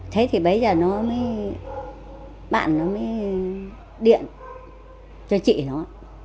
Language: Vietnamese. thế thì bây giờ nó mới bạn nó mới điện cho chị nó